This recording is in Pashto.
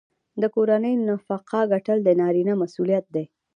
د کورنۍ نفقه ګټل د نارینه مسوولیت دی.